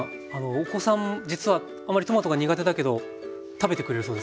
お子さん実はあんまりトマトが苦手だけど食べてくれるそうですね